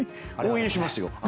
応援しますよ。